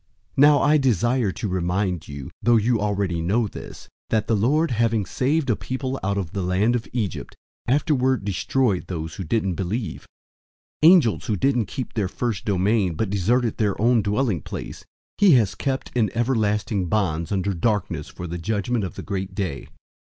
001:005 Now I desire to remind you, though you already know this, that the Lord, having saved a people out of the land of Egypt, afterward destroyed those who didn't believe. 001:006 Angels who didn't keep their first domain, but deserted their own dwelling place, he has kept in everlasting bonds under darkness for the judgment of the great day.